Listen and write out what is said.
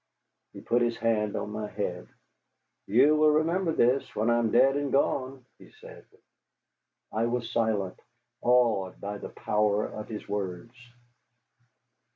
He put his hand on my head. "You will remember this when I am dead and gone," he said. I was silent, awed by the power of his words.